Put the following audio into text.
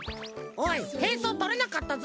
おいへんそうとれなかったぞ。